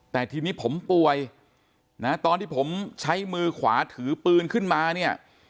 แต่ทีนี้ผมป่วยนะตอนที่ผมใช้มือขวาถือปืนขึ้นมาเนี่ย